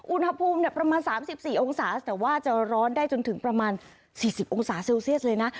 อุณหภูมิประมาณ๓๔องศาแต่ว่าจะร้อนได้จนถึงประมาณ๔๐องศาเซลเซียสเลยนะ